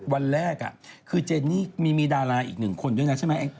วันแรกคือเจนนี่มีดาราอีกหนึ่งคนด้วยนะใช่ไหม